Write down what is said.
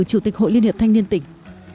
chủ tịch hội liên hiệp thanh niên tỉnh